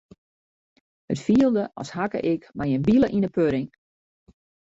It fielde as hakke ik mei in bile yn in pudding.